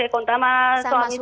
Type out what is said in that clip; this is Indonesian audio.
sama suami ya betul